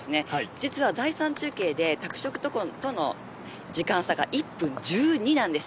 実は第３中継で拓殖との時間差が１分１２なんです。